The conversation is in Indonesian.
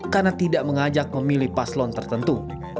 karena tidak mengajak memilih paslon tertentu